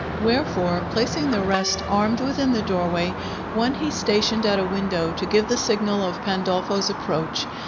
Wherefore, placing the rest armed within the doorway, one he stationed at a window to give the signal of Pandolfo's approach.